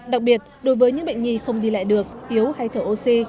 đặc biệt đối với những bệnh nhi không đi lại được yếu hay thở oxy